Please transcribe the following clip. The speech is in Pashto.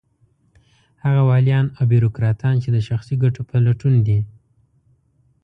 هغه واليان او بېروکراټان چې د شخصي ګټو په لټون دي.